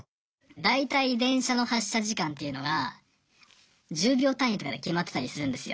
大体電車の発車時間っていうのが１０秒単位とかで決まってたりするんですよ。